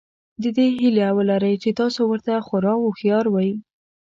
د دې هیله ولرئ چې تاسو ورته خورا هوښیار وئ.